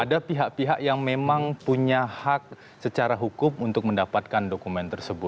ada pihak pihak yang memang punya hak secara hukum untuk mendapatkan dokumen tersebut